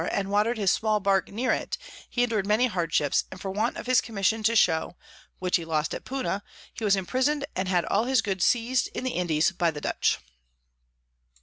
and water'd his small Bark near it, he endur'd many Hardships, and for want of his Commission to show (which he lost at Puna) he was imprison'd, and had all his Goods seiz'd in the Indies by the Dutch.